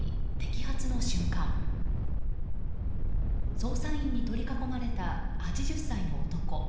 捜査員に取り囲まれた８０歳の男。